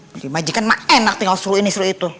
beli maji kan mah enak tinggal suruh ini suruh itu